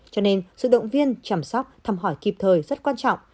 cho nên sự động viên chăm sóc thăm hỏi kịp thời rất quan trọng